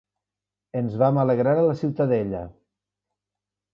Ens vam alegrar a la ciutadella.